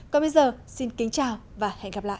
còn bây giờ xin kính chào và hẹn gặp lại